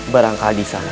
berangkat di sana